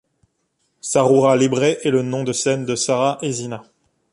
Sarroura Libre est le nom de scène de Sarah Ezzina.